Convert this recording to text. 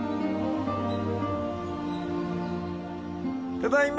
［ただいま！